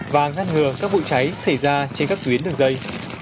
và ngăn ngừa các vụ cháy xảy ra trên các tuyến đường dây